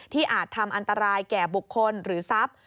อาจทำอันตรายแก่บุคคลหรือทรัพย์